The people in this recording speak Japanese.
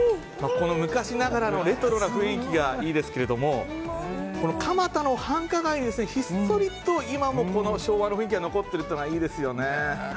昔ながらのレトロな雰囲気がいいですけれども蒲田の繁華街にひっそりと今もこの昭和の雰囲気が残っているというのがいいですね。